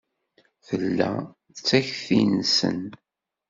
Tella d takti-nsen.